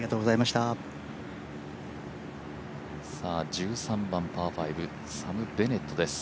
１３番パー５、サム・ベネットです。